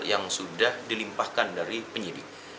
yang sudah dilimpahkan dari penyidik